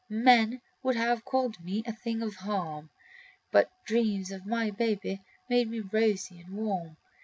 Men would have called me a thing of harm, But dreams of my babe made me rosy and warm.